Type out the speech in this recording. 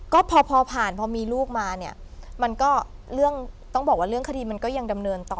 ก็พอผ่านพอมีลูกมาเนี่ยมันก็เรื่องต้องบอกว่าเรื่องคดีมันก็ยังดำเนินต่อ